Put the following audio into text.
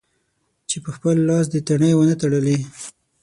چې په خپل لاس دې تڼۍ و نه تړلې.